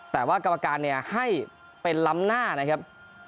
แต่ว่ากรรมการเนี่ยให้เป็นล้ำหน้านะครับ